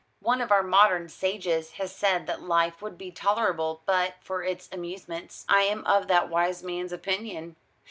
One of our modern sages has said that life would be tolerable but for its amusements. I am of that wise man's opinion.